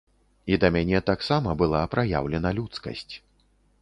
І да мяне таксама была праяўлена людскасць.